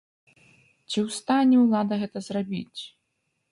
Ці ў стане ўлада гэта зрабіць?